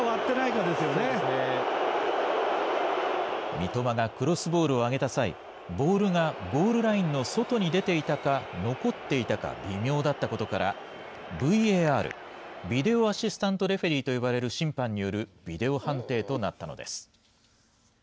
三笘がクロスボールを上げた際、ボールがゴールラインの外に出ていたか、残っていたか、微妙だったことから、ＶＡＲ・ビデオ・アシスタント・レフェリーと呼ばれる審判によるビデオ判定となったのです。